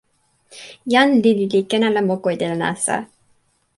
jan lili li ken ala moku e telo nasa.